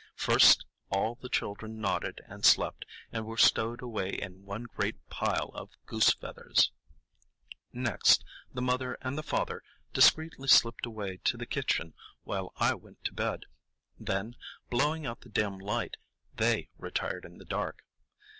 First, all the children nodded and slept, and were stowed away in one great pile of goose feathers; next, the mother and the father discreetly slipped away to the kitchen while I went to bed; then, blowing out the dim light, they retired in the dark.